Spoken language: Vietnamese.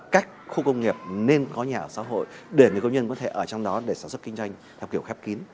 các khu công nghiệp nên có nhà ở xã hội để người công nhân có thể ở trong đó để sản xuất kinh doanh theo kiểu khép kín